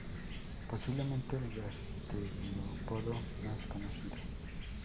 Posiblemente el gasterópodo más conocido.